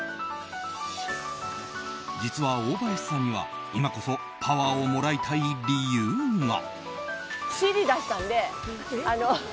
実は大林さんには今こそパワーをもらいたい理由が。